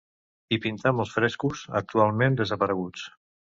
Hi pintà molts frescos, actualment desapareguts.